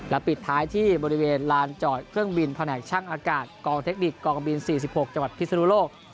ปิดท้ายที่บริเวณลานจอดเครื่องบินแผนกช่างอากาศกองเทคนิคกองบิน๔๖จังหวัดพิศนุโลก